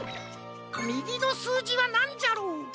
みぎのすうじはなんじゃろう？